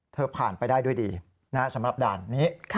ผ่านไปได้ด้วยดีสำหรับด่านนี้